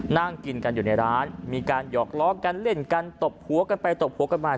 นั่งกินกันอยู่ในร้านมีการหยอกล้อกันเล่นกันตบหัวกันไปตบหัวกันมา